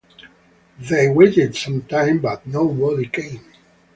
They waited some time, but nobody came.